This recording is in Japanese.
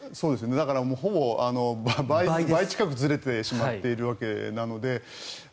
だから、ほぼ倍近くずれてしまっているわけなので。